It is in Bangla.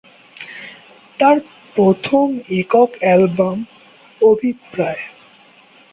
তার প্রথম একক অ্যালবাম "অভিপ্রায়"।